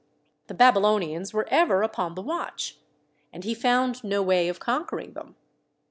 The Babylonians were ever upon the watch, and he found no way of conquering them.